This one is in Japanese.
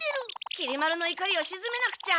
きり丸のいかりをしずめなくちゃ。